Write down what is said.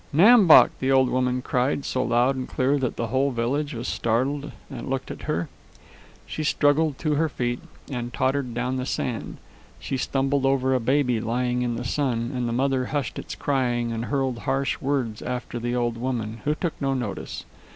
"Nam Bok!" the old woman cried, so loud and clear that the whole village was startled and looked at her. She struggled to her feet and tottered down the sand. She stumbled over a baby lying in the sun, and the mother hushed its crying and hurled harsh words after the old woman, who took no notice.